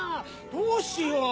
どうしよう。